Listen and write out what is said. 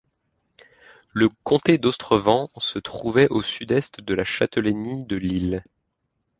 Le comté d’Ostrevent se trouvait au sud-est de la Châtellenie de Lille.